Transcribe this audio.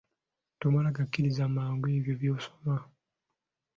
Tomala gakkiriza mangu ebyo by'osoma.